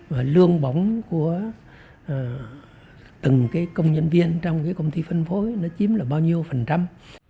và lương bóng của từng cái công nhân viên trong cái công ty phân phối nó chiếm là bao nhiêu phần trăm